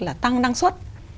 là tăng năng suất